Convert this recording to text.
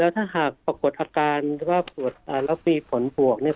แล้วถ้าหากปรากฏอาการว่าปรวจแล้วมีผลบวกเนี่ย